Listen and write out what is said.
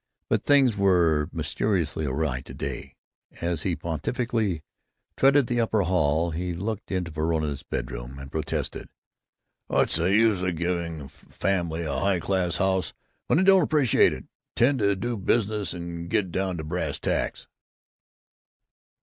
But things were mysteriously awry to day. As he pontifically tread the upper hall he looked into Verona's bedroom and protested, "What's the use of giving the family a high class house when they don't appreciate it and tend to business and get down to brass tacks?"